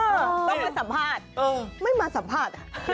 ต้องมาสัมภาษณ์ไม่มาสัมภาษณ์